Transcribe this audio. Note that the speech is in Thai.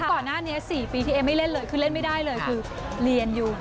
ก่อนหน้านี้๔ปีที่เอ๊ไม่เล่นเลยคือเล่นไม่ได้เลยคือเรียนอยู่